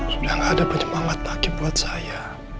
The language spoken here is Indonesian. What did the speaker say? sudah gak ada penyemangat lagi buat saya